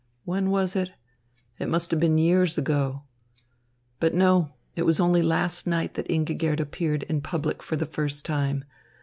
When was it? It must have been years ago. But no, it was only last night that Ingigerd appeared in public for the first time.